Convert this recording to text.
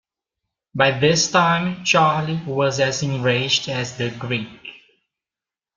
By this time Charley was as enraged as the Greek.